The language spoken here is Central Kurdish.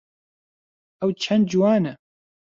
ئەو چەند جوانە!